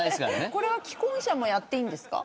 これは既婚者もやっていいんですか。